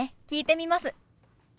聞いてみます。